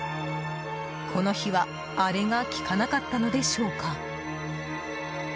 この日はアレが効かなかったのでしょうか。